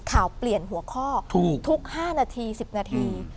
ข่าวเปลี่ยนหัวข้อทุก๕นาที๑๐นาที